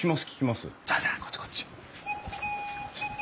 じゃあじゃあこっちこっち。